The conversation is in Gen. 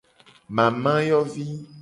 Mamayovi.